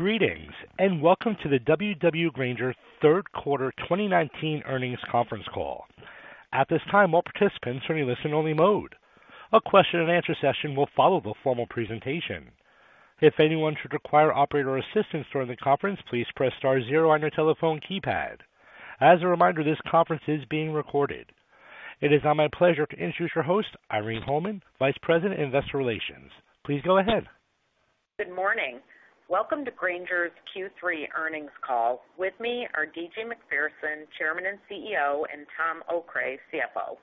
Greetings, welcome to the W.W. Grainger, Inc. third quarter 2019 earnings conference call. At this time, all participants are in listen-only mode. A question and answer session will follow the formal presentation. If anyone should require operator assistance during the conference, please press star 0 on your telephone keypad. As a reminder, this conference is being recorded. It is now my pleasure to introduce your host, Irene Holman, Vice President, Investor Relations. Please go ahead. Good morning. Welcome to Grainger's Q3 earnings call. With me are D.G. Macpherson, Chairman and CEO, and Thomas Okray, CFO.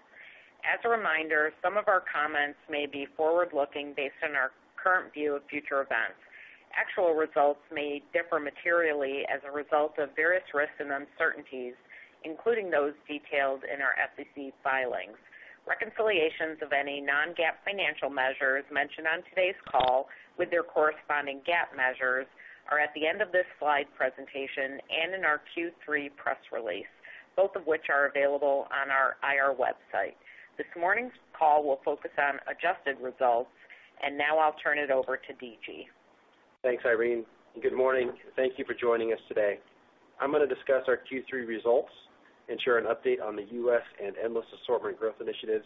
As a reminder, some of our comments may be forward-looking, based on our current view of future events. Actual results may differ materially as a result of various risks and uncertainties, including those detailed in our SEC filings. Reconciliations of any non-GAAP financial measures mentioned on today's call with their corresponding GAAP measures are at the end of this slide presentation and in our Q3 press release, both of which are available on our IR website. This morning's call will focus on adjusted results. Now I'll turn it over to D.G. Thanks, Irene. Good morning. Thank you for joining us today. I'm gonna discuss our Q3 results and share an update on the U.S. and Endless Assortment Growth Initiatives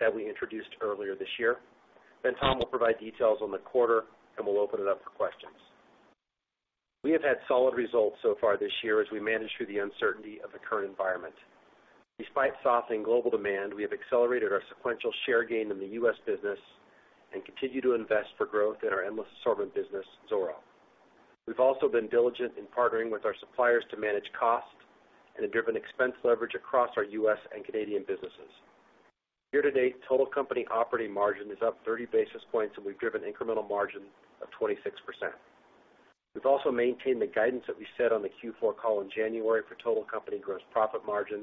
that we introduced earlier this year. Tom will provide details on the quarter, and we'll open it up for questions. We have had solid results so far this year as we manage through the uncertainty of the current environment. Despite softening global demand, we have accelerated our sequential share gain in the U.S. business and continue to invest for growth in our Endless Assortment business, Zoro. We've also been diligent in partnering with our suppliers to manage cost and have driven expense leverage across our U.S. and Canadian businesses. Year to date, total company operating margin is up 30 basis points, and we've driven incremental margin of 26%. We've also maintained the guidance that we set on the Q4 call in January for total company gross profit margin,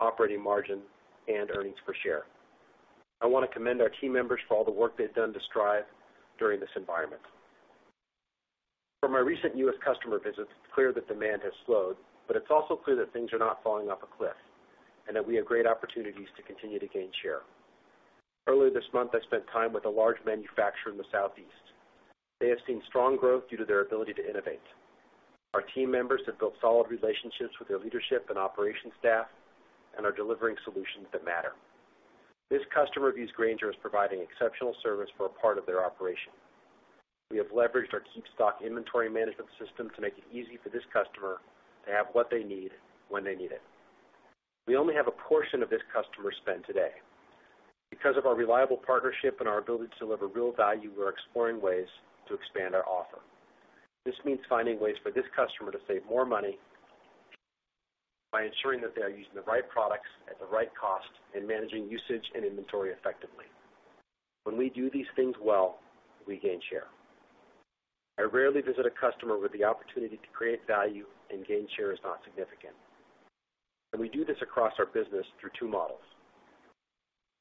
operating margin, and earnings per share. I wanna commend our team members for all the work they've done to strive during this environment. From my recent U.S. customer visits, it's clear that demand has slowed, but it's also clear that things are not falling off a cliff, and that we have great opportunities to continue to gain share. Earlier this month, I spent time with a large manufacturer in the Southeast. They have seen strong growth due to their ability to innovate. Our team members have built solid relationships with their leadership and operations staff and are delivering solutions that matter. This customer views Grainger as providing exceptional service for a part of their operation. We have leveraged our KeepStock inventory management system to make it easy for this customer to have what they need when they need it. We only have a portion of this customer spend today. Because of our reliable partnership and our ability to deliver real value, we're exploring ways to expand our offer. This means finding ways for this customer to save more money by ensuring that they are using the right products at the right cost and managing usage and inventory effectively. When we do these things well, we gain share. I rarely visit a customer where the opportunity to create value and gain share is not significant. We do this across our business through two models.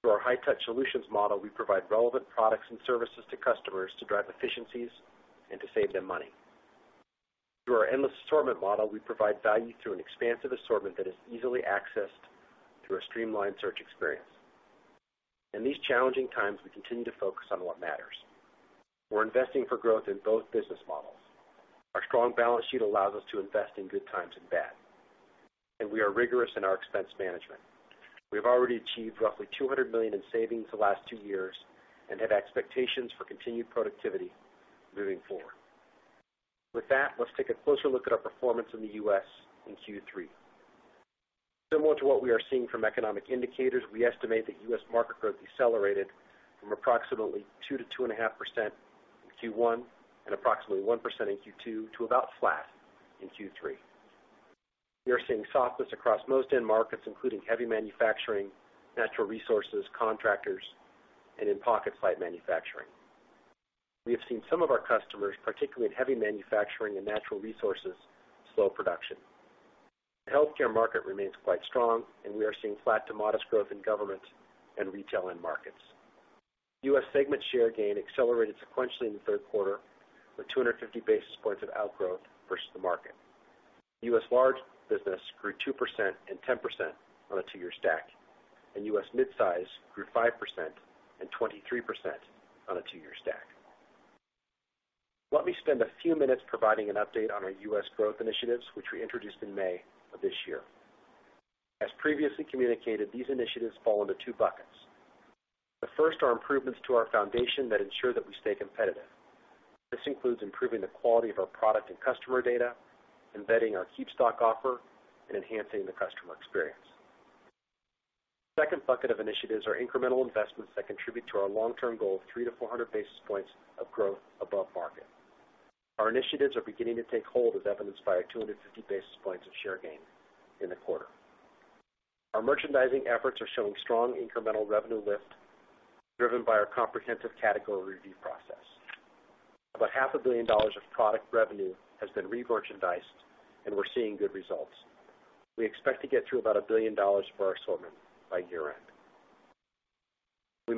Through our high-touch solutions model, we provide relevant products and services to customers to drive efficiencies and to save them money. Through our endless assortment model, we provide value through an expansive assortment that is easily accessed through a streamlined search experience. In these challenging times, we continue to focus on what matters. We're investing for growth in both business models. Our strong balance sheet allows us to invest in good times and bad, and we are rigorous in our expense management. We have already achieved roughly $200 million in savings the last two years and have expectations for continued productivity moving forward. With that, let's take a closer look at our performance in the U.S. in Q3. Similar to what we are seeing from economic indicators, we estimate that U.S. market growth decelerated from approximately 2% to 2.5% in Q1 and approximately 1% in Q2 to about flat in Q3. We are seeing softness across most end markets, including heavy manufacturing, natural resources, contractors, and in pocket site manufacturing. We have seen some of our customers, particularly in heavy manufacturing and natural resources, slow production. The healthcare market remains quite strong, and we are seeing flat to modest growth in government and retail end markets. U.S. segment share gain accelerated sequentially in the third quarter with 250 basis points of outgrowth versus the market. U.S. large business grew 2% and 10% on a two-year stack, and U.S. midsize grew 5% and 23% on a two-year stack. Let me spend a few minutes providing an update on our U.S. growth initiatives, which we introduced in May of this year. As previously communicated, these initiatives fall into two buckets. The first are improvements to our foundation that ensure that we stay competitive. This includes improving the quality of our product and customer data, embedding our KeepStock offer, and enhancing the customer experience. Second bucket of initiatives are incremental investments that contribute to our long-term goal of 300 to 400 basis points of growth above market. Our initiatives are beginning to take hold, as evidenced by our 250 basis points of share gain in the quarter. Our merchandising efforts are showing strong incremental revenue lift, driven by our comprehensive category review process. About half a billion dollars of product revenue has been re-merchandised and we're seeing good results. We expect to get through about a billion dollars for our assortment by year-end. Our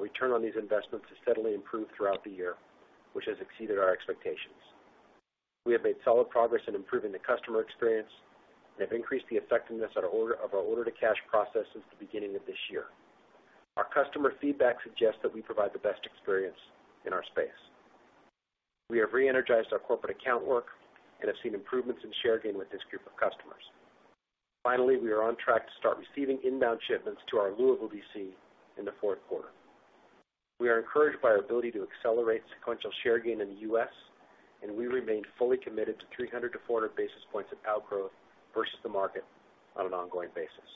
return on these investments has steadily improved throughout the year, which has exceeded our expectations. We have made solid progress in improving the customer experience and have increased the effectiveness of our order to cash processes the beginning of this year. Our customer feedback suggests that we provide the best experience in our space. We have re-energized our corporate account work and have seen improvements in share gain with this group of customers. Finally, we are on track to start receiving inbound shipments to our Louisville DC in the fourth quarter. We are encouraged by our ability to accelerate sequential share gain in the U.S., and we remain fully committed to 300-400 basis points of outgrowth versus the market on an ongoing basis.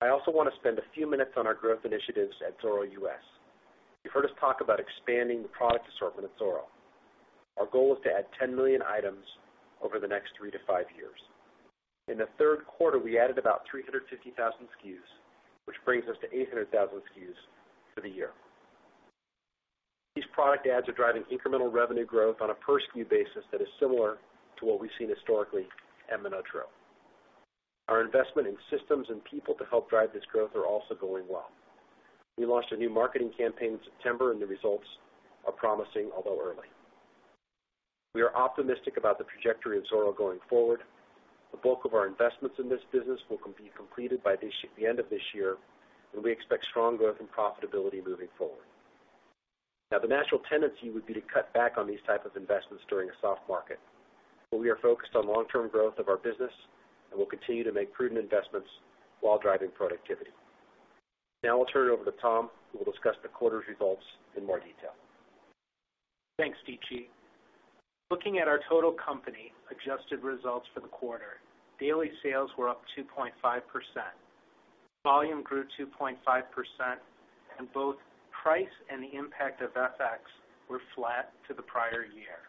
I also want to spend a few minutes on our growth initiatives at Zoro U.S. You've heard us talk about expanding the product assortment at Zoro. Our goal is to add 10 million items over the next three to five years. In the third quarter, we added about 350,000 SKUs, which brings us to 800,000 SKUs for the year. These product adds are driving incremental revenue growth on a per-SKU basis that is similar to what we've seen historically at MonotaRO. Our investment in systems and people to help drive this growth are also going well. We launched a new marketing campaign in September, the results are promising, although early. We are optimistic about the trajectory of Zoro going forward. The bulk of our investments in this business will be completed by the end of this year, we expect strong growth and profitability moving forward. The natural tendency would be to cut back on these type of investments during a soft market. We are focused on long-term growth of our business and will continue to make prudent investments while driving productivity. I'll turn it over to Tom Okray, who will discuss the quarter's results in more detail. Thanks, D.G. Looking at our total company adjusted results for the quarter, daily sales were up 2.5%. Volume grew 2.5%, both price and the impact of FX were flat to the prior year.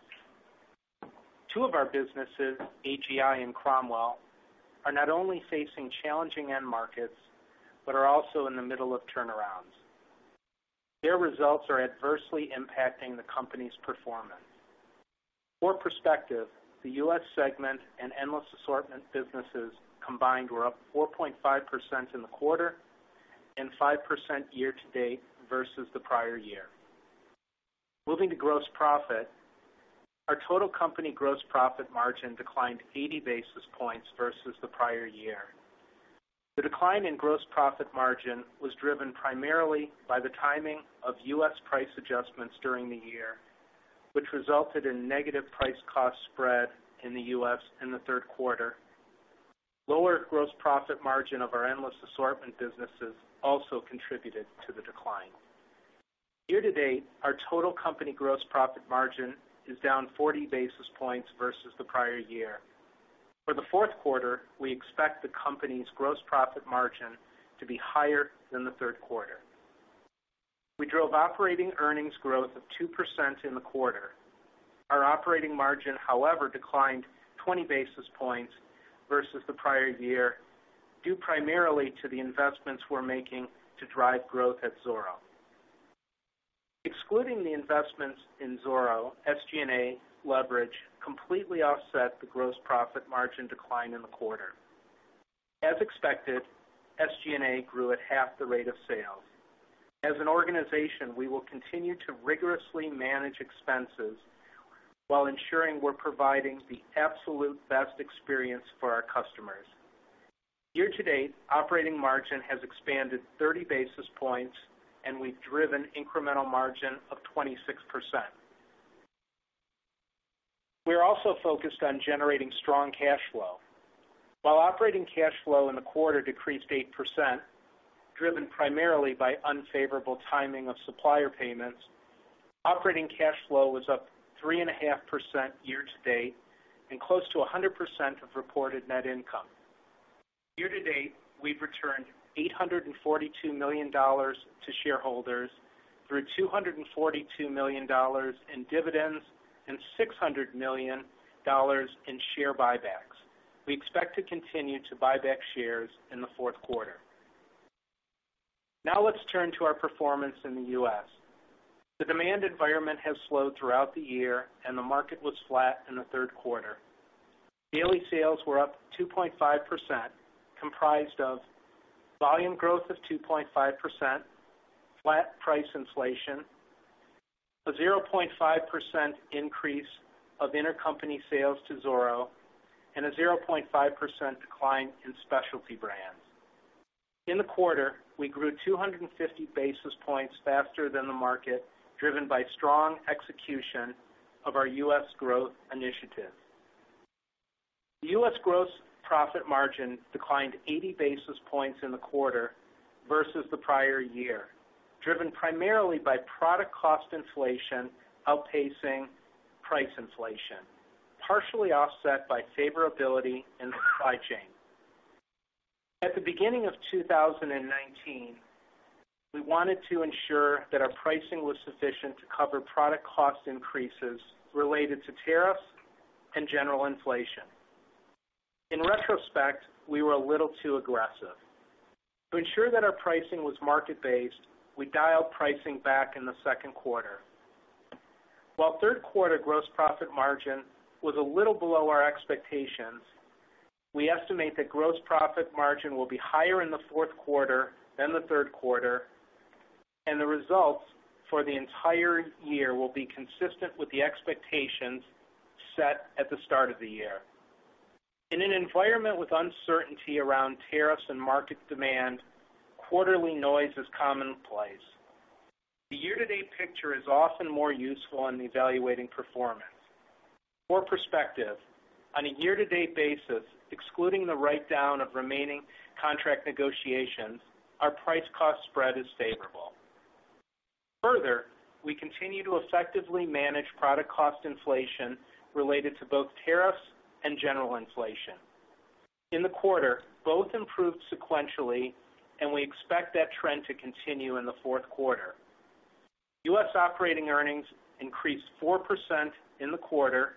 Two of our businesses, AGI and Cromwell, are not only facing challenging end markets, but are also in the middle of turnarounds. Their results are adversely impacting the company's performance. For perspective, the U.S. segment and endless assortment businesses combined were up 4.5% in the quarter and 5% year-to-date versus the prior year. Moving to gross profit, our total company gross profit margin declined 80 basis points versus the prior year. The decline in gross profit margin was driven primarily by the timing of U.S. price adjustments during the year, which resulted in negative price cost spread in the U.S. in the third quarter. Lower gross profit margin of our endless assortment businesses also contributed to the decline. Year to date, our total company gross profit margin is down 40 basis points versus the prior year. For the fourth quarter, we expect the company's gross profit margin to be higher than the third quarter. We drove operating earnings growth of 2% in the quarter. Our operating margin, however, declined 20 basis points versus the prior year, due primarily to the investments we're making to drive growth at Zoro. Excluding the investments in Zoro, SG&A leverage completely offset the gross profit margin decline in the quarter. As expected, SG&A grew at half the rate of sales. As an organization, we will continue to rigorously manage expenses while ensuring we're providing the absolute best experience for our customers. Year to date, operating margin has expanded 30 basis points, and we've driven incremental margin of 26%. We are also focused on generating strong cash flow. While operating cash flow in the quarter decreased 8%, driven primarily by unfavorable timing of supplier payments, operating cash flow was up 3.5% year to date and close to 100% of reported net income. Year to date, we've returned $842 million to shareholders through $242 million in dividends and $600 million in share buybacks. We expect to continue to buy back shares in the fourth quarter. Let's turn to our performance in the U.S. The demand environment has slowed throughout the year, and the market was flat in the third quarter. Daily sales were up 2.5%, comprised of volume growth of 2.5%, flat price inflation, a 0.5% increase of intercompany sales to Zoro, and a 0.5% decline in specialty brands. In the quarter, we grew 250 basis points faster than the market, driven by strong execution of our U.S. growth initiatives. U.S. gross profit margin declined 80 basis points in the quarter versus the prior year, driven primarily by product cost inflation outpacing price inflation, partially offset by favorability in the supply chain. At the beginning of 2019, we wanted to ensure that our pricing was sufficient to cover product cost increases related to tariffs and general inflation. In retrospect, we were a little too aggressive. To ensure that our pricing was market-based, we dialed pricing back in the second quarter. While third quarter gross profit margin was a little below our expectations, we estimate that gross profit margin will be higher in the fourth quarter than the third quarter. The results for the entire year will be consistent with the expectations set at the start of the year. In an environment with uncertainty around tariffs and market demand, quarterly noise is commonplace. The year-to-date picture is often more useful in evaluating performance. For perspective, on a year-to-date basis, excluding the write-down of remaining contract negotiations, our price cost spread is favorable. We continue to effectively manage product cost inflation related to both tariffs and general inflation. In the quarter, both improved sequentially, and we expect that trend to continue in the fourth quarter. U.S. operating earnings increased 4% in the quarter.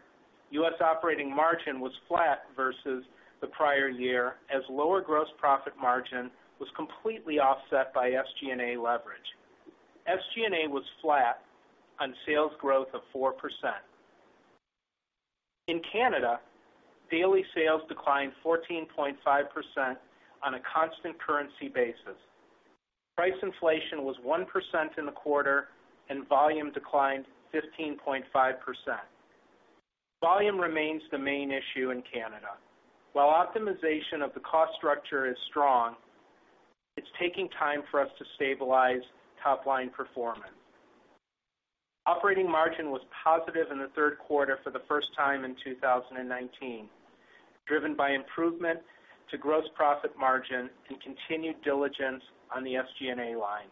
U.S. operating margin was flat versus the prior year, as lower gross profit margin was completely offset by SG&A leverage. SG&A was flat on sales growth of 4%. In Canada, daily sales declined 14.5% on a constant currency basis. Price inflation was 1% in the quarter and volume declined 15.5%. Volume remains the main issue in Canada. While optimization of the cost structure is strong, it's taking time for us to stabilize top-line performance. Operating margin was positive in the third quarter for the first time in 2019, driven by improvement to gross profit margin and continued diligence on the SG&A line.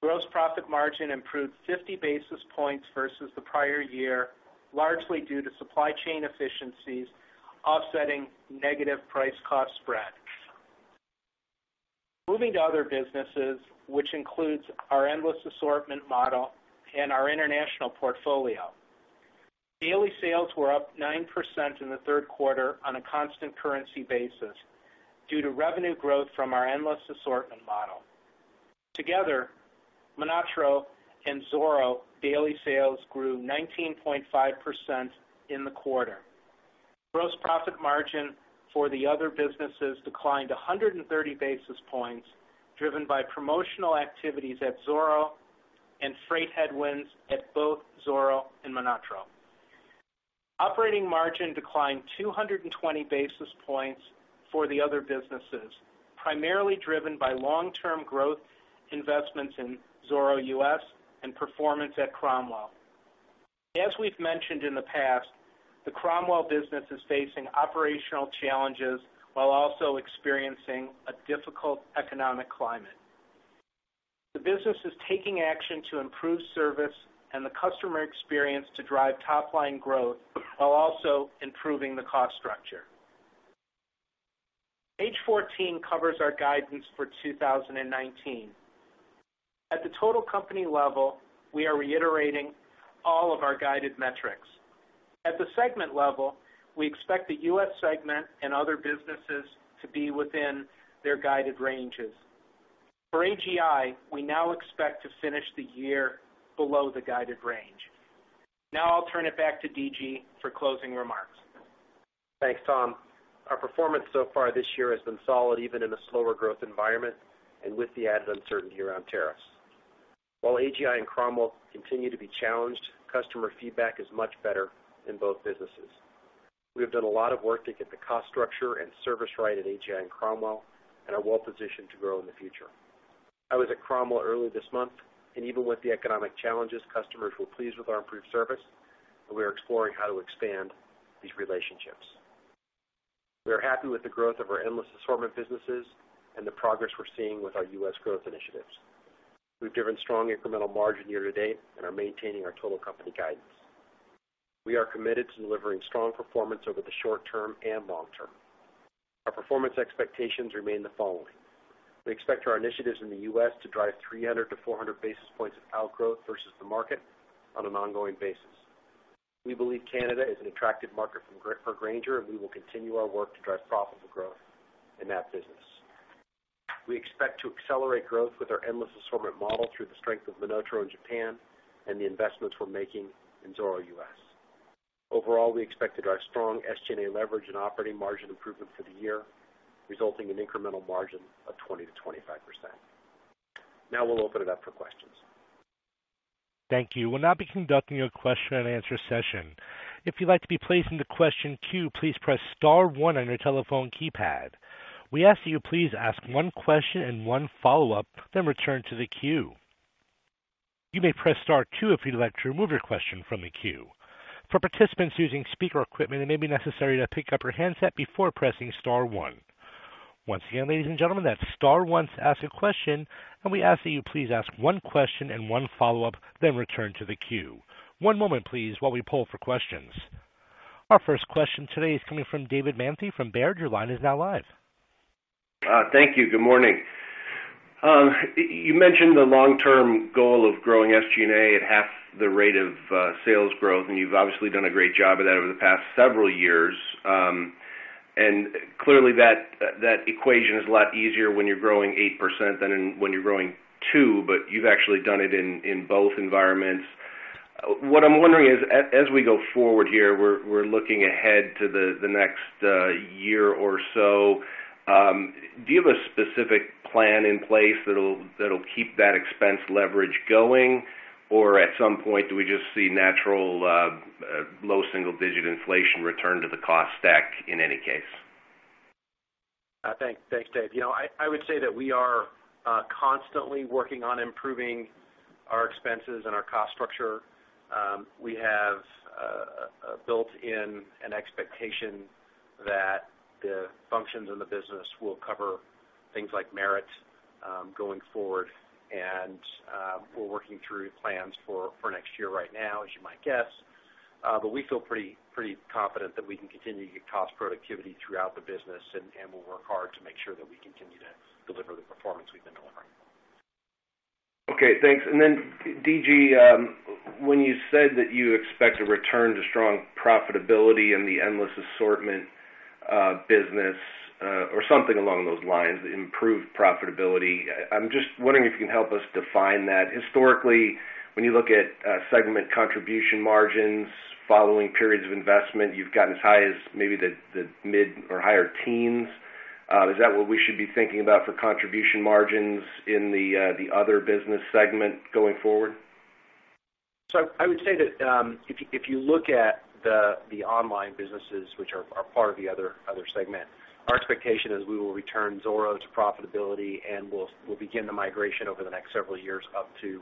Gross profit margin improved 50 basis points versus the prior year, largely due to supply chain efficiencies offsetting negative price cost spread. Moving to other businesses, which includes our endless assortment model and our international portfolio. Daily sales were up 9% in the third quarter on a constant currency basis due to revenue growth from our endless assortment model. Together, MonotaRO and Zoro daily sales grew 19.5% in the quarter. Gross profit margin for the other businesses declined 130 basis points, driven by promotional activities at Zoro and freight headwinds at both Zoro and MonotaRO. Operating margin declined 220 basis points for the other businesses, primarily driven by long-term growth investments in Zoro U.S. and performance at Cromwell. As we've mentioned in the past, the Cromwell business is facing operational challenges while also experiencing a difficult economic climate. The business is taking action to improve service and the customer experience to drive top-line growth while also improving the cost structure. Page 14 covers our guidance for 2019. At the total company level, we are reiterating all of our guided metrics. At the segment level, we expect the U.S. segment and other businesses to be within their guided ranges. For AGI, we now expect to finish the year below the guided range. Now I'll turn it back to D.G. for closing remarks. Thanks, Tom. Our performance so far this year has been solid, even in a slower growth environment and with the added uncertainty around tariffs. While AGI and Cromwell continue to be challenged, customer feedback is much better in both businesses. We have done a lot of work to get the cost structure and service right at AGI and Cromwell, and are well positioned to grow in the future. I was at Cromwell earlier this month, and even with the economic challenges, customers were pleased with our improved service, and we are exploring how to expand these relationships. We are happy with the growth of our endless assortment businesses and the progress we're seeing with our U.S. growth initiatives. We've driven strong incremental margin year to date and are maintaining our total company guidance. We are committed to delivering strong performance over the short term and long term. Our performance expectations remain the following. We expect our initiatives in the U.S. to drive 300 to 400 basis points of outgrowth versus the market on an ongoing basis. We believe Canada is an attractive market for Grainger, and we will continue our work to drive profitable growth in that business. We expect to accelerate growth with our endless assortment model through the strength of MonotaRO in Japan and the investments we're making in Zoro U.S. Overall, we expected our strong SG&A leverage and operating margin improvement for the year, resulting in incremental margin of 20%-25%. Now we'll open it up for questions. Thank you. We'll now be conducting a question and answer session. If you'd like to be placed into question queue, please press *1 on your telephone keypad. We ask that you please ask one question and one follow-up, then return to the queue. You may press *2 if you'd like to remove your question from the queue. For participants using speaker equipment, it may be necessary to pick up your handset before pressing *1. Once again, ladies and gentlemen, that's *1 to ask a question. We ask that you please ask one question and one follow-up, then return to the queue. One moment, please, while we poll for questions. Our first question today is coming from David Manthey from Baird. Your line is now live. Thank you. Good morning. You mentioned the long-term goal of growing SG&A at half the rate of sales growth. You've obviously done a great job of that over the past several years. Clearly, that equation is a lot easier when you're growing 8% than when you're growing two, but you've actually done it in both environments. What I'm wondering is, as we go forward here, we're looking ahead to the next year or so. Do you have a specific plan in place that'll keep that expense leverage going? At some point, do we just see natural low single-digit inflation return to the cost stack in any case? Thanks, Dave. I would say that we are constantly working on improving our expenses and our cost structure. We have built in an expectation that the functions in the business will cover things like merit going forward, and we're working through plans for next year right now, as you might guess. We feel pretty confident that we can continue to get cost productivity throughout the business, and we'll work hard to make sure that we continue to deliver the performance we've been delivering. Okay, thanks. DG, when you said that you expect a return to strong profitability in the endless assortment business or something along those lines, improved profitability, I'm just wondering if you can help us define that. Historically, when you look at segment contribution margins following periods of investment, you've gotten as high as maybe the mid or higher teens. Is that what we should be thinking about for contribution margins in the other business segment going forward? I would say that if you look at the online businesses, which are part of the other segment, our expectation is we will return Zoro to profitability, and we'll begin the migration over the next several years up to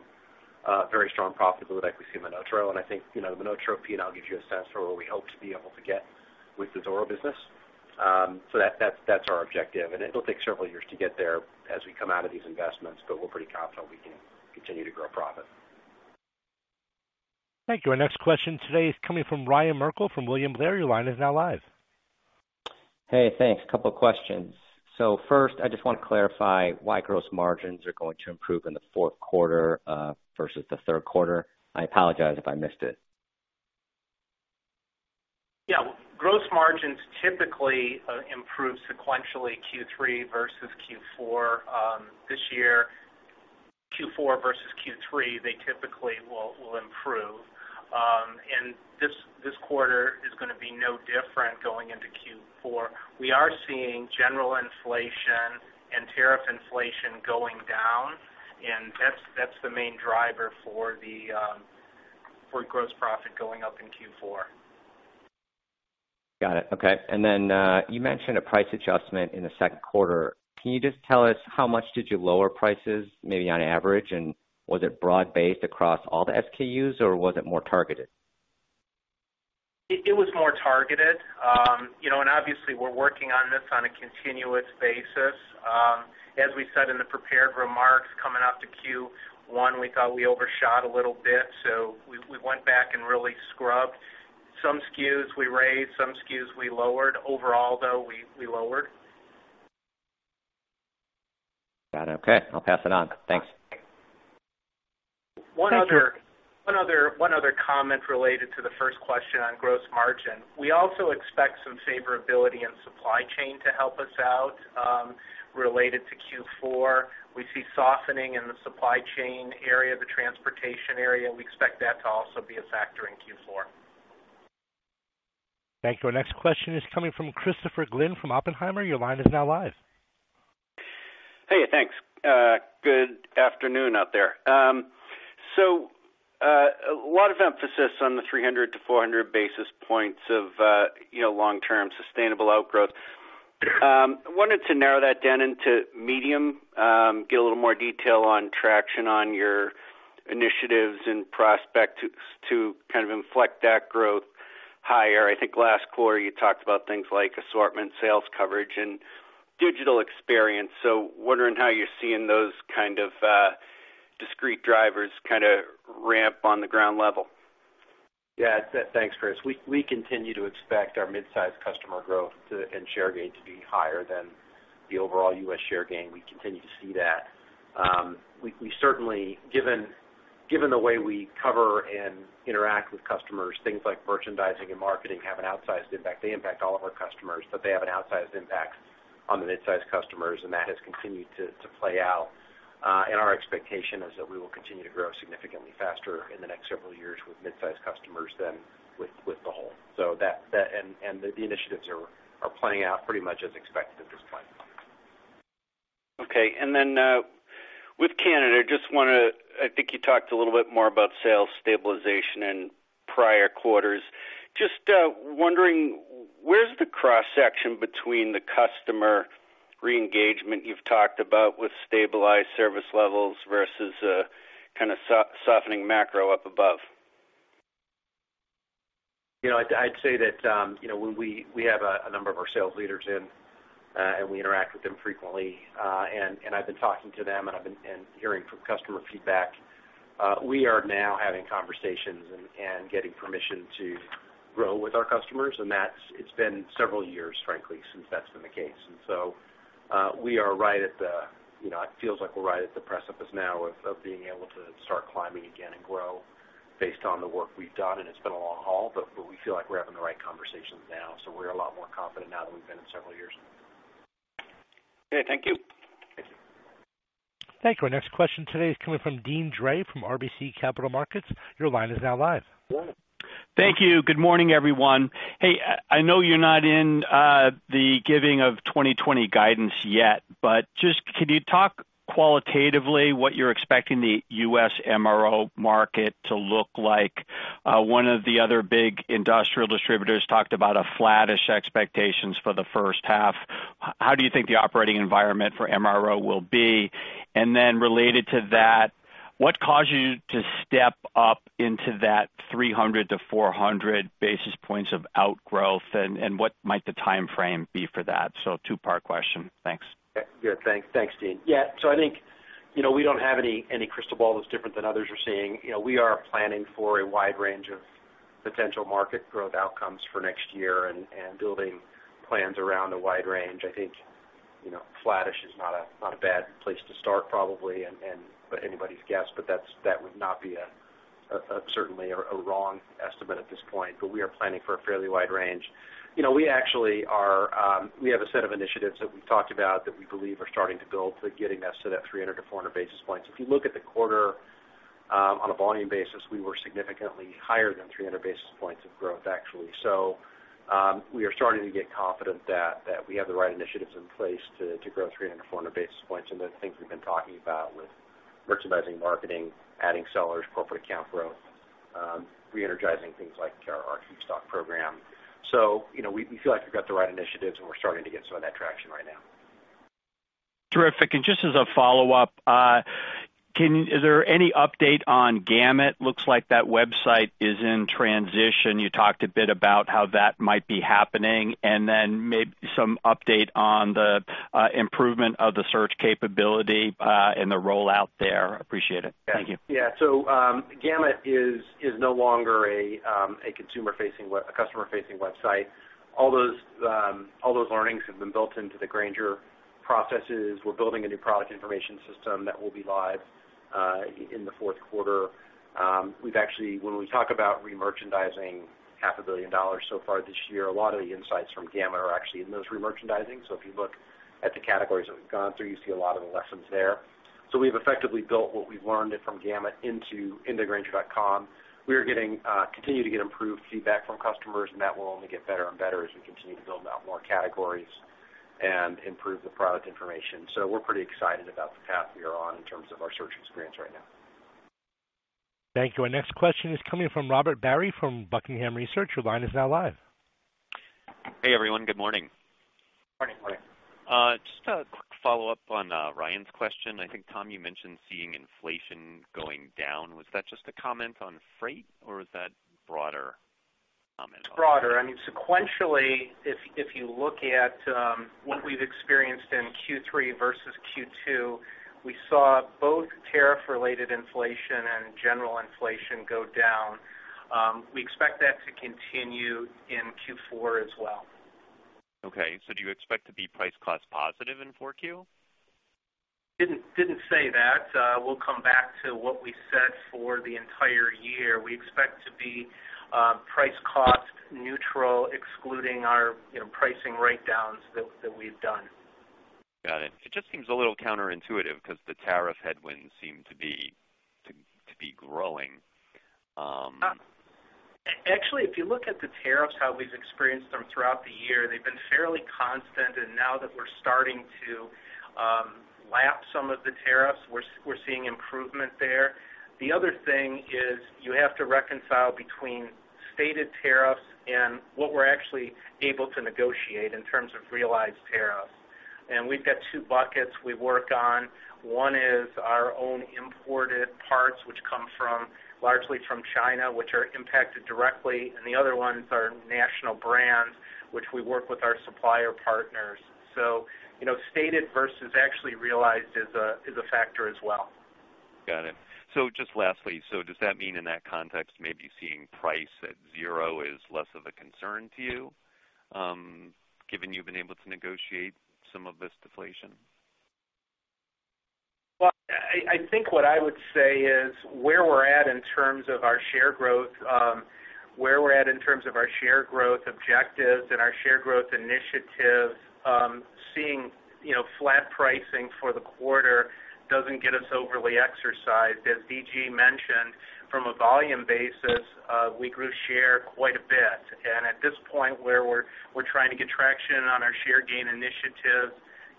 very strong profitability like we see in MonotaRO. I think, the MonotaRO P&L gives you a sense for where we hope to be able to get with the Zoro business. That's our objective, and it'll take several years to get there as we come out of these investments, but we're pretty confident we can continue to grow profit. Thank you. Our next question today is coming from Ryan Merkel from William Blair. Your line is now live. Hey, thanks. A couple of questions. First, I just want to clarify why gross margins are going to improve in the fourth quarter versus the third quarter. I apologize if I missed it. Gross margins typically improve sequentially Q3 versus Q4. This year, Q4 versus Q3, they typically will improve. This quarter is going to be no different going into Q4. We are seeing general inflation and tariff inflation going down, and that's the main driver for the gross profit going up in Q4. Got it. Okay. You mentioned a price adjustment in the second quarter. Can you just tell us how much did you lower prices, maybe on average, and was it broad-based across all the SKUs, or was it more targeted? It was more targeted. Obviously, we're working on this on a continuous basis. As we said in the prepared remarks coming out to Q1, we thought we overshot a little bit, so we went back and really scrubbed. Some SKUs we raised, some SKUs we lowered. Overall, though, we lowered. Got it. Okay. I'll pass it on. Thanks. One other comment related to the first question on gross margin. We also expect some favorability in supply chain to help us out related to Q4. We see softening in the supply chain area, the transportation area. We expect that to also be a factor in Q4. Thank you. Our next question is coming from Christopher Glynn from Oppenheimer. Your line is now live. Hey, thanks. Good afternoon out there. A lot of emphasis on the 300-400 basis points of long-term sustainable outgrowth. I wanted to narrow that down into medium, get a little more detail on traction on your initiatives and prospects to kind of inflect that growth higher. I think last quarter you talked about things like assortment, sales coverage, and digital experience. Wondering how you're seeing those kind of discrete drivers kind of ramp on the ground level. Yeah. Thanks, Chris. We continue to expect our mid-size customer growth and share gain to be higher than the overall U.S. share gain. We continue to see that. Given the way we cover and interact with customers, things like merchandising and marketing have an outsized impact. They impact all of our customers, but they have an outsized impact on the mid-size customers, and that has continued to play out. Our expectation is that we will continue to grow significantly faster in the next several years with mid-size customers than with the whole. The initiatives are playing out pretty much as expected at this point. Okay. With Canada, I think you talked a little bit more about sales stabilization in prior quarters. Just wondering, where's the cross-section between the customer re-engagement you've talked about with stabilized service levels versus kind of softening macro up above? I'd say that we have a number of our sales leaders in, and we interact with them frequently, and I've been talking to them and hearing from customer feedback. We are now having conversations and getting permission to grow with our customers, and it's been several years, frankly, since that's been the case. It feels like we're right at the precipice now of being able to start climbing again and grow based on the work we've done, and it's been a long haul, but we feel like we're having the right conversations now. We're a lot more confident now than we've been in several years. Okay, thank you. Thank you. Our next question today is coming from Deane Dray from RBC Capital Markets. Your line is now live. Thank you. Good morning, everyone. Hey, I know you're not in the giving of 2020 guidance yet, just could you talk qualitatively what you're expecting the U.S. MRO market to look like? One of the other big industrial distributors talked about flattish expectations for the first half. How do you think the operating environment for MRO will be? Related to that, what caused you to step up into that 300-400 basis points of outgrowth, and what might the timeframe be for that? Two-part question. Thanks. Good. Thanks, Deane. I think, we don't have any crystal ball that's different than others are seeing. We are planning for a wide range of potential market growth outcomes for next year and building plans around a wide range. I think flattish is not a bad place to start, probably, but anybody's guess. That would not be certainly a wrong estimate at this point, but we are planning for a fairly wide range. We have a set of initiatives that we've talked about that we believe are starting to build to getting us to that 300-400 basis points. If you look at the quarter, on a volume basis, we were significantly higher than 300 basis points of growth, actually. We are starting to get confident that we have the right initiatives in place to grow 300, 400 basis points, and the things we've been talking about with merchandising, marketing, adding sellers, corporate account growth, re-energizing things like our KeepStock program. We feel like we've got the right initiatives, and we're starting to get some of that traction right now. Terrific. Just as a follow-up, is there any update on Gamut? Looks like that website is in transition. You talked a bit about how that might be happening, and then maybe some update on the improvement of the search capability, and the rollout there. Appreciate it. Thank you. Gamut is no longer a customer-facing website. All those learnings have been built into the Grainger processes. We're building a new product information system that will be live in the fourth quarter. When we talk about remerchandising half a billion dollars so far this year, a lot of the insights from Gamut are actually in those remerchandising. If you look at the categories that we've gone through, you see a lot of the lessons there. We've effectively built what we've learned from Gamut into grainger.com. We continue to get improved feedback from customers, and that will only get better and better as we continue to build out more categories and improve the product information. We're pretty excited about the path we are on in terms of our search experience right now. Thank you. Our next question is coming from Robert Barry from Buckingham Research. Your line is now live. Hey, everyone. Good morning. Morning, Ryan. Just a quick follow-up on Ryan's question. I think, Tom, you mentioned seeing inflation going down. Was that just a comment on freight, or was that broader comment? It's broader. I mean, sequentially, if you look at what we've experienced in Q3 versus Q2, we saw both tariff-related inflation and general inflation go down. We expect that to continue in Q4 as well. Okay. Do you expect to be price-cost positive in 4Q? Didn't say that. We'll come back to what we said for the entire year. We expect to be price-cost neutral, excluding our pricing write-downs that we've done. Got it. It just seems a little counterintuitive because the tariff headwinds seem to be growing. Actually, if you look at the tariffs, how we've experienced them throughout the year, they've been fairly constant, and now that we're starting to lap some of the tariffs, we're seeing improvement there. The other thing is you have to reconcile between stated tariffs and what we're actually able to negotiate in terms of realized tariffs. We've got two buckets we work on. One is our own imported parts, which come largely from China, which are impacted directly, and the other one is our national brands, which we work with our supplier partners. Stated versus actually realized is a factor as well. Got it. Just lastly, so does that mean in that context, maybe seeing price at zero is less of a concern to you, given you've been able to negotiate some of this deflation? I think what I would say is where we're at in terms of our share growth objectives and our share growth initiatives, seeing flat pricing for the quarter doesn't get us overly exercised. As D.G. mentioned, from a volume basis, we grew share quite a bit, and at this point where we're trying to get traction on our share gain initiatives,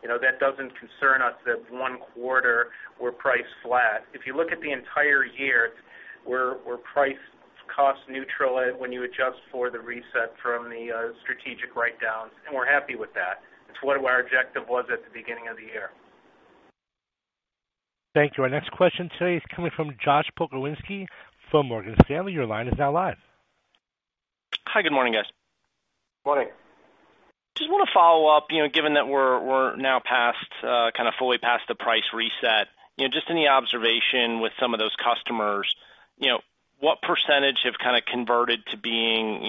that doesn't concern us that one quarter we're priced flat. If you look at the entire year, we're price cost neutral when you adjust for the reset from the strategic write-downs, and we're happy with that. It's what our objective was at the beginning of the year. Thank you. Our next question today is coming from Joshua Pokrzywinski from Morgan Stanley. Your line is now live. Hi, good morning, guys. Morning. Just want to follow up, given that we're now fully past the price reset, just any observation with some of those customers, what percentage have kind of converted to being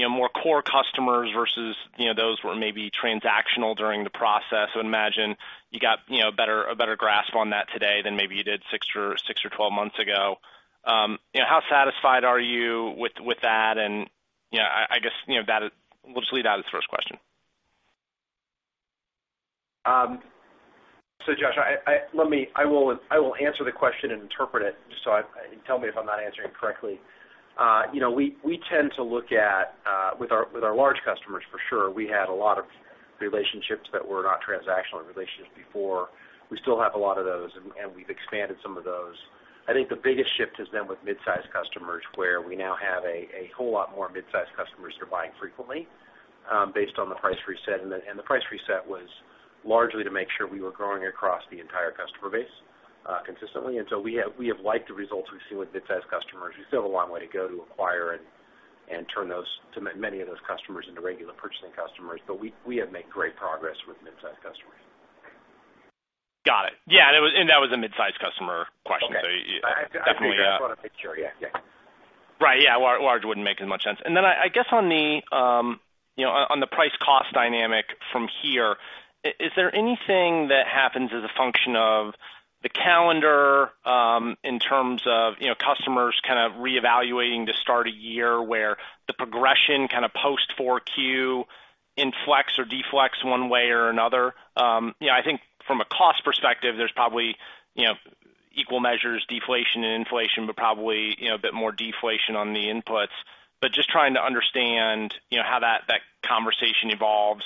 more core customers versus those who were maybe transactional during the process? I would imagine you got a better grasp on that today than maybe you did six or 12 months ago. How satisfied are you with that? I guess, we'll just leave that as the first question. Josh, I will answer the question and interpret it. Tell me if I'm not answering correctly. We tend to look at, with our large customers for sure, we had a lot of relationships that were not transactional relationships before. We still have a lot of those, and we've expanded some of those. I think the biggest shift has been with mid-size customers, where we now have a whole lot more mid-size customers who are buying frequently based on the price reset. The price reset was largely to make sure we were growing across the entire customer base consistently. We have liked the results we've seen with mid-size customers. We still have a long way to go to acquire and turn many of those customers into regular purchasing customers. We have made great progress with mid-sized customers. Got it. Yeah, that was a mid-size customer question. Okay. Definitely. I see where you're coming from. Sure. Yeah. Right, yeah. Large wouldn't make as much sense. Then I guess on the price cost dynamic from here, is there anything that happens as a function of the calendar in terms of customers kind of reevaluating the start of year where the progression kind of post 4Q inflex or deflex one way or another? I think from a cost perspective there's probably equal measures deflation and inflation, but probably a bit more deflation on the inputs. Just trying to understand how that conversation evolves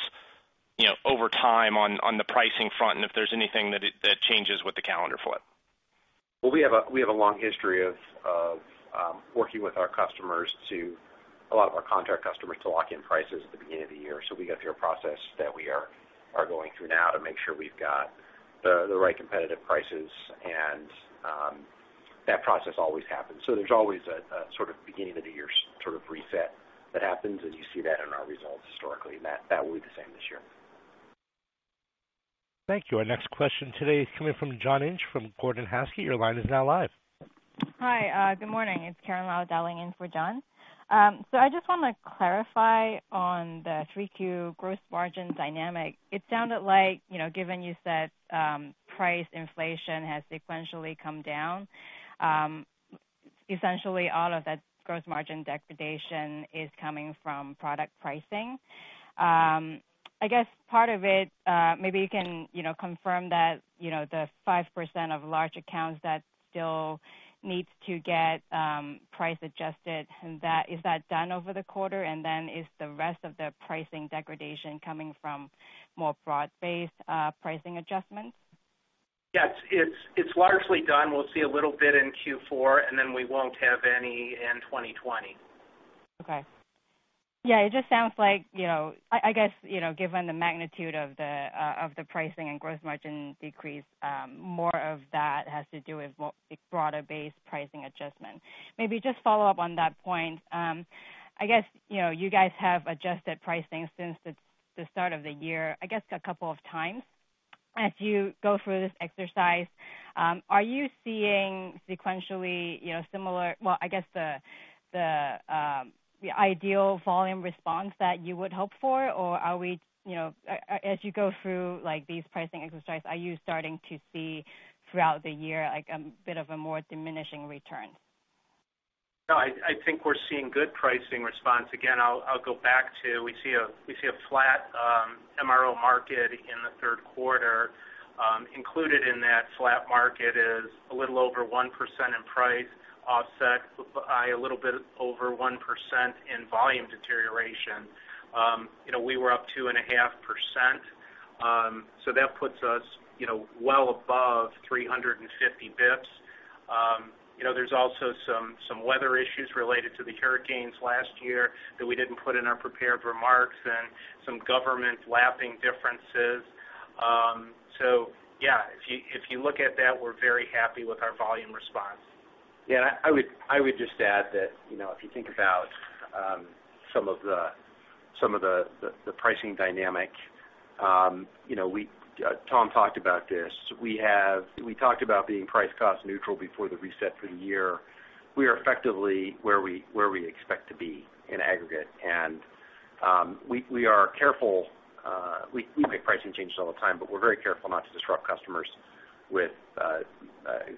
over time on the pricing front and if there's anything that changes with the calendar flip. Well, we have a long history of working with our customers, a lot of our contract customers to lock in prices at the beginning of the year. We go through a process that we are going through now to make sure we've got the right competitive prices and that process always happens. There's always a sort of beginning of the year reset that happens and you see that in our results historically and that will be the same this year. Thank you. Our next question today is coming from John Inch from Gordon Haskett. Your line is now live. Hi, good morning. It's Caroline dialing in for John. I just want to clarify on the 3Q gross margin dynamic. It sounded like, given you said price inflation has sequentially come down, essentially all of that gross margin degradation is coming from product pricing. I guess part of it, maybe you can confirm that the 5% of large accounts that still needs to get price adjusted and is that done over the quarter? Is the rest of the pricing degradation coming from more broad-based pricing adjustments? Yes, it's largely done. We'll see a little bit in Q4. We won't have any in 2020. Okay. Yeah, it just sounds like, I guess given the magnitude of the pricing and gross margin decrease, more of that has to do with a broader-based pricing adjustment. Maybe just follow up on that point. I guess you guys have adjusted pricing since the start of the year, I guess a couple of times. As you go through this exercise, are you seeing sequentially similar, well, I guess the ideal volume response that you would hope for? As you go through these pricing exercises, are you starting to see throughout the year like a bit of a more diminishing return? No, I think we're seeing good pricing response. Again, I'll go back to we see a flat MRO market in the third quarter. Included in that flat market is a little over 1% in price offset by a little bit over 1% in volume deterioration. We were up 2.5%. That puts us well above 350 bps. There's also some weather issues related to the hurricanes last year that we didn't put in our prepared remarks and some government lapping differences. Yeah, if you look at that, we're very happy with our volume response. Yeah, I would just add that if you think about some of the pricing dynamic, Tom talked about this. We talked about being price cost neutral before the reset for the year. We are effectively where we expect to be in aggregate, and we are careful. We make pricing changes all the time, but we're very careful not to disrupt customers with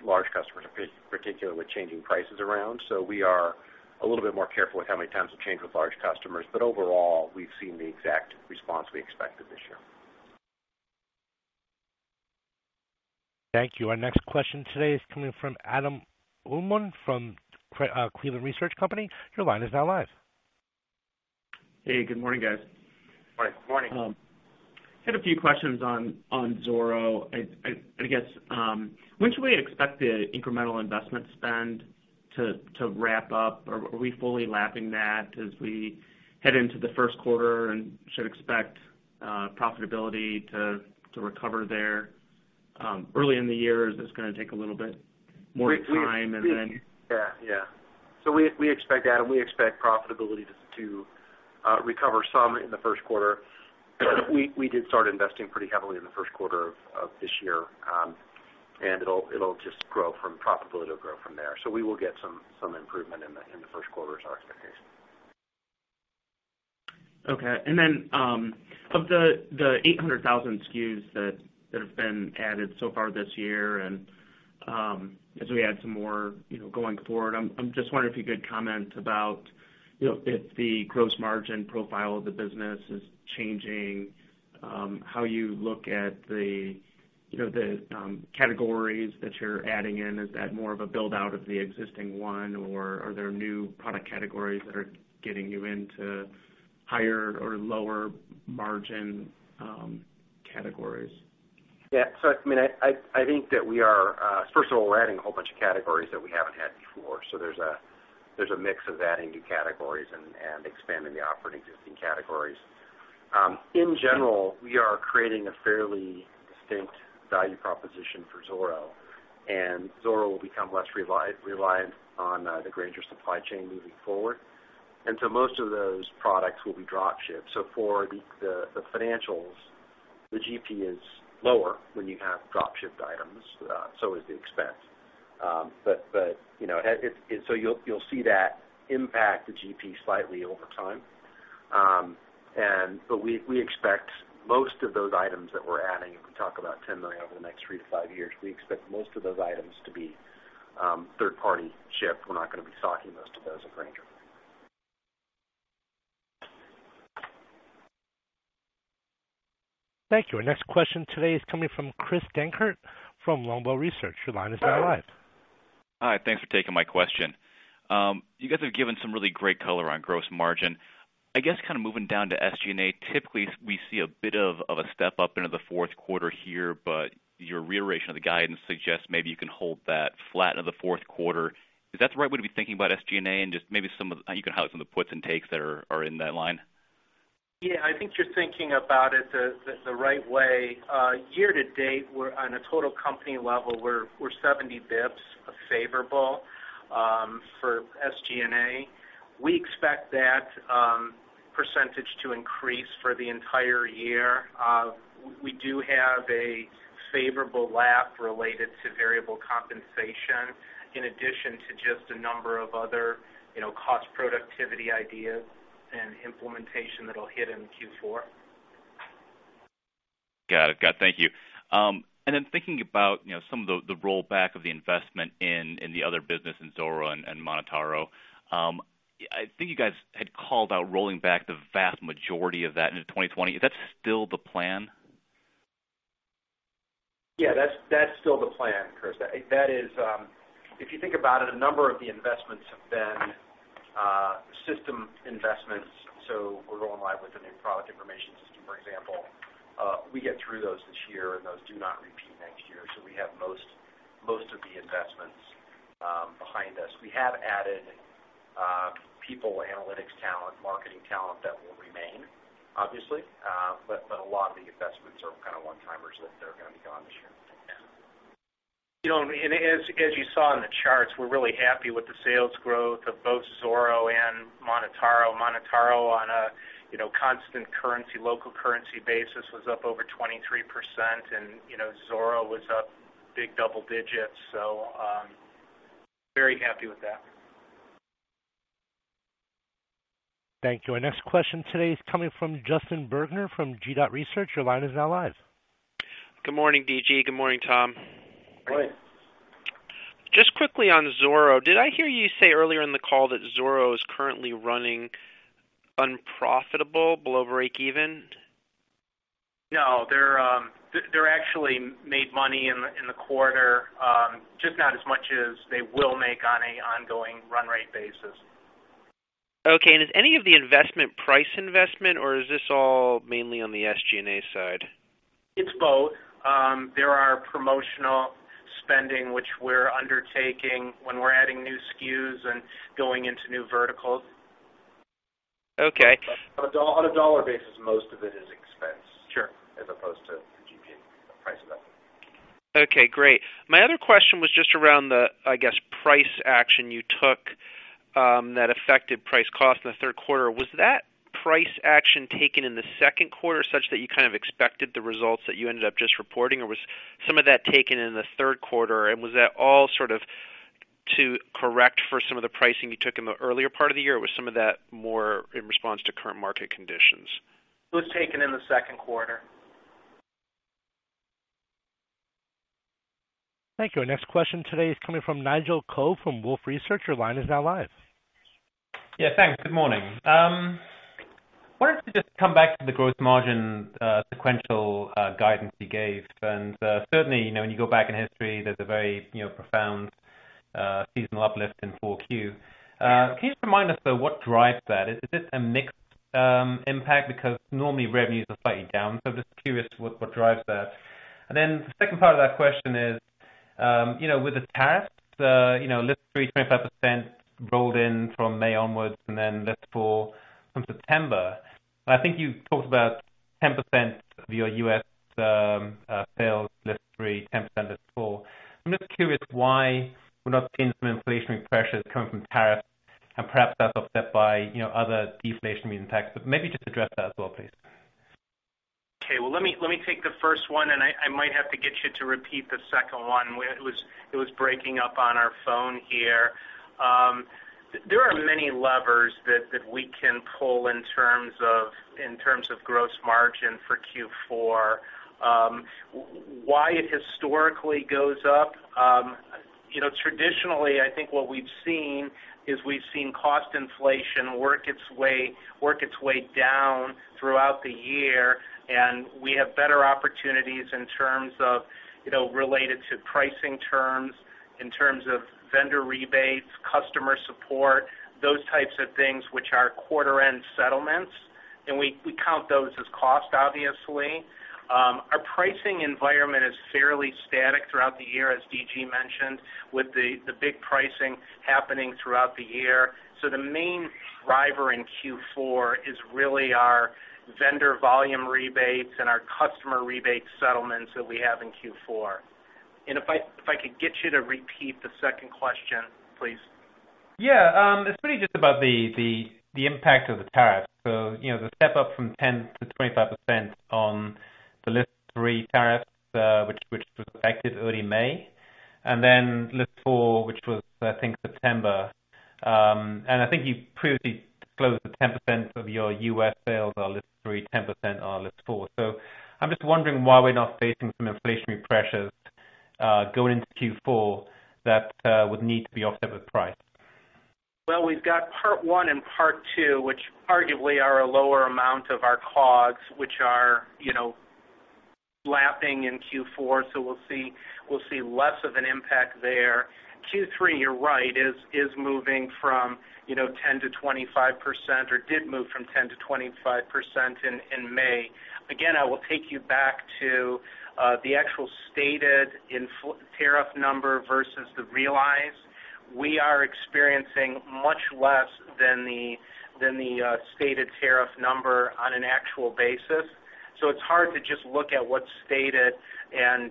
large customers, particularly with changing prices around. We are a little bit more careful with how many times we change with large customers. Overall, we've seen the exact response we expected this year. Thank you. Our next question today is coming from Adam Uhlman from Cleveland Research Company. Your line is now live. Hey, good morning, guys. Morning. Morning. I had a few questions on Zoro. I guess when should we expect the incremental investment spend to wrap up? Are we fully lapping that as we head into the first quarter and should expect profitability to recover there early in the year? Is this going to take a little bit more time than? We expect profitability to recover some in the first quarter. We did start investing pretty heavily in the first quarter of this year. Profitability will grow from there. We will get some improvement in the first quarter is our expectation. Okay. Of the 800,000 SKUs that have been added so far this year, and as we add some more going forward, I'm just wondering if you could comment about if the gross margin profile of the business is changing, how you look at the categories that you're adding in? Is that more of a build-out of the existing one, or are there new product categories that are getting you into higher or lower margin categories? Yeah. I think that we are, first of all, adding a whole bunch of categories that we haven't had before. There's a mix of adding new categories and expanding the offering existing categories. In general, we are creating a fairly distinct value proposition for Zoro, and Zoro will become less reliant on the Grainger supply chain moving forward. Most of those products will be drop shipped. For the financials, the GP is lower when you have drop shipped items, so is the expense. You'll see that impact the GP slightly over time. We expect most of those items that we're adding, if we talk about $10 million over the next 3-5 years, we expect most of those items to be third-party shipped. We're not going to be stocking most of those at Grainger. Thank you. Our next question today is coming from Chris Dankert from Longbow Research. Your line is now live. Hi, thanks for taking my question. You guys have given some really great color on gross margin. I guess, moving down to SG&A, typically, we see a bit of a step up into the fourth quarter here, but your reiteration of the guidance suggests maybe you can hold that flat into the fourth quarter. Is that the right way to be thinking about SG&A, and just maybe you can highlight some of the puts and takes that are in that line? I think you're thinking about it the right way. Year to date, on a total company level, we're 70 basis points favorable for SG&A. We expect that percentage to increase for the entire year. We do have a favorable lap related to variable compensation, in addition to just a number of other cost productivity ideas and implementation that'll hit in Q4. Got it. Thank you. Then thinking about some of the rollback of the investment in the other business in Zoro and MonotaRO. I think you guys had called out rolling back the vast majority of that into 2020. Is that still the plan? Yeah, that's still the plan, Chris. If you think about it, a number of the investments have been system investments. We're going live with a new product information system, for example. We get through those this year, and those do not repeat next year. We have most of the investments behind us. We have added people, analytics talent, marketing talent that will remain, obviously. A lot of the investments are one-timers that they're going to be gone this year. Yeah. As you saw in the charts, we're really happy with the sales growth of both Zoro and MonotaRO. MonotaRO on a constant local currency basis was up over 23%, and Zoro was up big double digits. Very happy with that. Thank you. Our next question today is coming from Justin Bergner from G.research. Your line is now live. Good morning, D.G. Good morning, Tom. Morning. Just quickly on Zoro, did I hear you say earlier in the call that Zoro is currently running unprofitable, below breakeven? No, they actually made money in the quarter, just not as much as they will make on an ongoing run rate basis. Okay. Is any of the investment price investment, or is this all mainly on the SG&A side? It's both. There are promotional spending, which we're undertaking when we're adding new SKUs and going into new verticals. Okay. On a dollar basis, most of it is expense. Sure as opposed to the GP price investment. Okay, great. My other question was just around the, I guess, price action you took that affected price cost in the third quarter. Was that price action taken in the second quarter such that you kind of expected the results that you ended up just reporting, or was some of that taken in the third quarter, and was that all sort of to correct for some of the pricing you took in the earlier part of the year, or was some of that more in response to current market conditions? It was taken in the second quarter. Thank you. Our next question today is coming from Nigel Coe from Wolfe Research. Your line is now live. Thanks. Good morning. I wanted to just come back to the gross margin sequential guidance you gave. Certainly, when you go back in history, there's a very profound seasonal uplift in 4Q. Can you just remind us, though, what drives that? Is this a mixed impact? Because normally revenues are slightly down. Just curious what drives that. The second part of that question is, with the tariffs, List 3, 25% rolled in from May onwards and then List 4 from September. I think you talked about 10% of your U.S. sales, List 3, 10% List 4. I'm just curious why we're not seeing some inflationary pressures coming from tariffs and perhaps that's offset by other deflationary impacts. Maybe just address that as well, please. Okay. Well, let me take the first one, and I might have to get you to repeat the second one. It was breaking up on our phone here. There are many levers that we can pull in terms of gross margin for Q4. Why it historically goes up? Traditionally, I think what we've seen is we've seen cost inflation work its way down throughout the year, and we have better opportunities in terms of related to pricing terms, in terms of vendor rebates, customer support, those types of things, which are quarter-end settlements. We count those as cost, obviously. Our pricing environment is fairly static throughout the year, as DG mentioned, with the big pricing happening throughout the year. The main driver in Q4 is really our vendor volume rebates and our customer rebate settlements that we have in Q4. If I could get you to repeat the second question, please. Yeah. It's really just about the impact of the tariff. The step up from 10% to 25% on the list three tariff, which was effective early May, and then list four, which was, I think, September. I think you previously disclosed that 10% of your U.S. sales are list three, 10% are list four. I'm just wondering why we're not facing some inflationary pressures, going into Q4 that would need to be offset with price. Well, we've got part one and part two, which arguably are a lower amount of our COGS, which are lapping in Q4, so we'll see less of an impact there. Q3, you're right, is moving from 10% to 25%, or did move from 10% to 25% in May. Again, I will take you back to the actual stated tariff number versus the realized. We are experiencing much less than the stated tariff number on an actual basis. It's hard to just look at what's stated and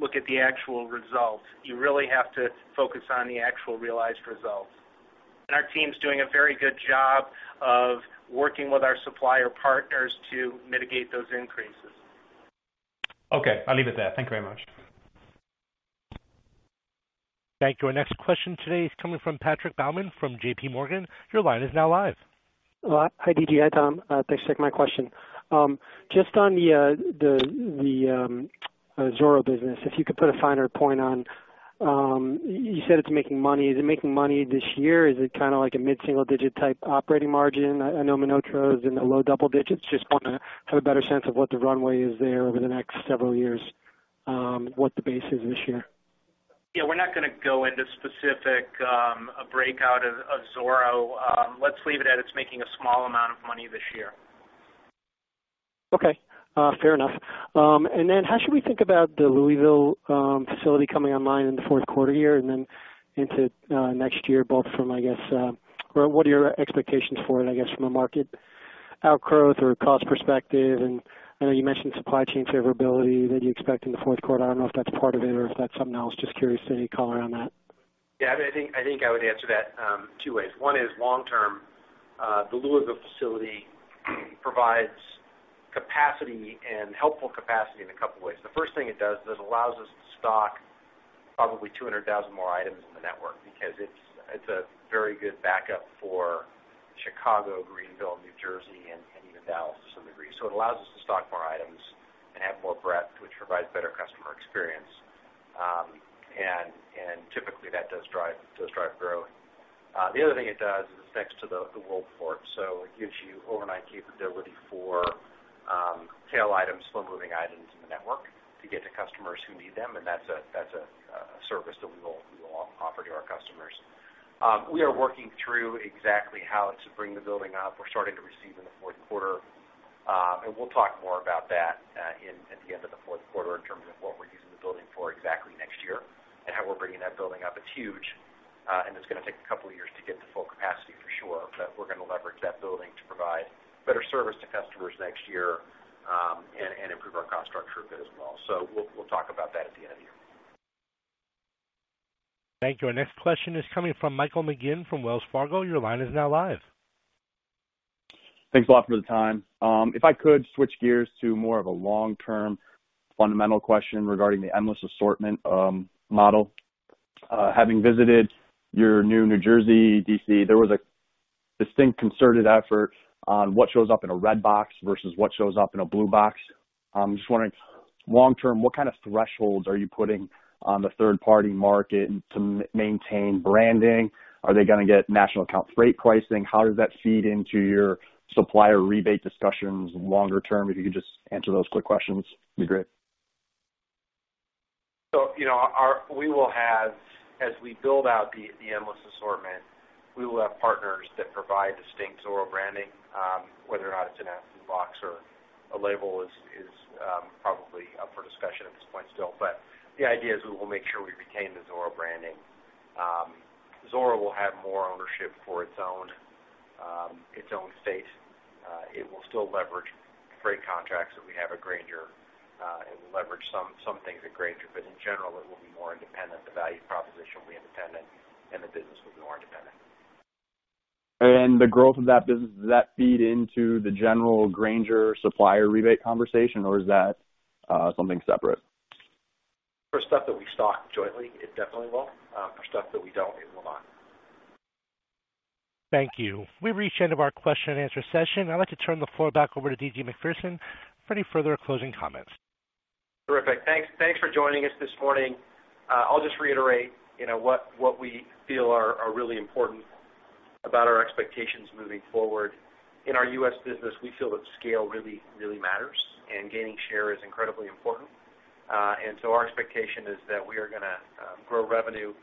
look at the actual results. You really have to focus on the actual realized results. Our team's doing a very good job of working with our supplier partners to mitigate those increases. Okay. I'll leave it there. Thank you very much. Thank you. Our next question today is coming from Patrick Baumann from JPMorgan. Your line is now live. Hi, D.G. Hi, Tom. Thanks for taking my question. On the Zoro business, if you could put a finer point on, you said it's making money. Is it making money this year? Is it kind of like a mid-single digit type operating margin? I know MonotaRO is in the low double digits. Want to have a better sense of what the runway is there over the next several years, what the base is this year. Yeah, we're not going to go into specific breakout of Zoro. Let's leave it at it's making a small amount of money this year. Okay. Fair enough. How should we think about the Louisville facility coming online in the fourth quarter here and then into next year, both from, I guess, or what are your expectations for it, I guess, from a market outgrowth or cost perspective? I know you mentioned supply chain favorability that you expect in the fourth quarter. I don't know if that's part of it or if that's something else. Just curious any color on that. Yeah, I think I would answer that two ways. One is long-term. The Louisville facility provides capacity and helpful capacity in a couple of ways. The first thing it does is it allows us to stock probably 200,000 more items in the network because it's a very good backup for Chicago, Greenville, New Jersey, and even Dallas to some degree. It allows us to stock more items and have more breadth, which provides better customer experience. Typically that does drive growth. The other thing it does is it's next to the Worldport, it gives you overnight capability for tail items, slow-moving items in the network to get to customers who need them, that's a service that we will offer to our customers. We are working through exactly how to bring the building up. We're starting to receive in the fourth quarter. We'll talk more about that at the end of the fourth quarter in terms of what we're using the building for exactly next year and how we're bringing that building up. It's huge, and it's going to take a couple of years to get to full capacity for sure. We're going to leverage that building to provide better service to customers next year, and improve our cost structure a bit as well. We'll talk about that at the end of the year. Thank you. Our next question is coming from Michael McGinn from Wells Fargo. Your line is now live. Thanks a lot for the time. I could switch gears to more of a long-term fundamental question regarding the endless assortment model. Having visited your new New Jersey D.C., there was a distinct concerted effort on what shows up in a red box versus what shows up in a blue box. Just wondering, long-term, what kind of thresholds are you putting on the third-party market to maintain branding? Are they going to get national account freight pricing? How does that feed into your supplier rebate discussions longer term? You could just answer those quick questions, it'd be great. As we build out the endless assortment, we will have partners that provide distinct Zoro branding. Whether or not it's in a blue box or a label is probably up for discussion at this point still. The idea is we will make sure we retain the Zoro branding. Zoro will have more ownership for its own space. It will still leverage freight contracts that we have at Grainger. It will leverage some things at Grainger, but in general, it will be more independent, the value proposition will be independent, and the business will be more independent. The growth of that business, does that feed into the general Grainger supplier rebate conversation, or is that something separate? For stuff that we stock jointly, it definitely will. For stuff that we don't, it will not. Thank you. We've reached the end of our question and answer session. I'd like to turn the floor back over to D.G. Macpherson for any further closing comments. Terrific. Thanks for joining us this morning. I'll just reiterate what we feel are really important about our expectations moving forward. In our U.S. business, we feel that scale really, really matters, and gaining share is incredibly important. Our expectation is that we are gonna grow revenue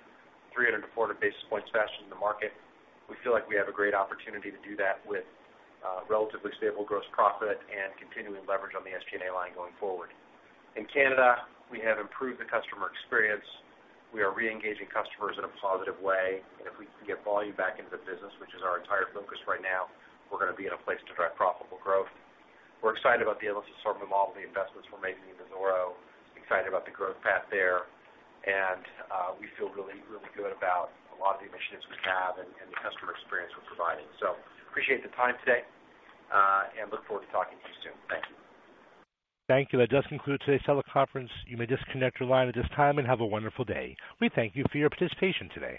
300 to 400 basis points faster than the market. We feel like we have a great opportunity to do that with relatively stable gross profit and continuing leverage on the SG&A line going forward. In Canada, we have improved the customer experience. We are reengaging customers in a positive way. If we can get volume back into the business, which is our entire focus right now, we're going to be in a place to drive profitable growth. We're excited about the endless assortment model, the investments we're making into Zoro, excited about the growth path there. We feel really, really good about a lot of the initiatives we have and the customer experience we're providing. Appreciate the time today, and look forward to talking to you soon. Thank you. Thank you. That does conclude today's teleconference. You may disconnect your line at this time, and have a wonderful day. We thank you for your participation today.